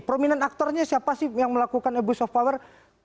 prominent actornya siapa sih yang melakukan abuse of power